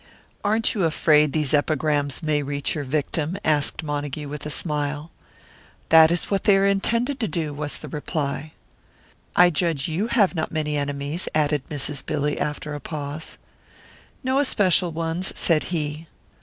"Aren't you afraid these epigrams may reach your victim?" asked Montague, with a smile. "That is what they are intended to do," was the reply. "I judge you have not many enemies," added Mrs. Billy, after a pause. "No especial ones," said he.